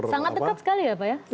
sangat dekat sekali ya pak ya